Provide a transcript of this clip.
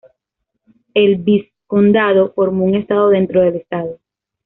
El vizcondado formó un Estado dentro del Estado.